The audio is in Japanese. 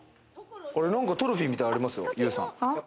なんかトロフィーみたいのありますよ。